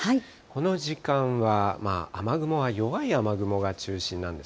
この時間は、雨雲は弱い雨雲が中心なんです。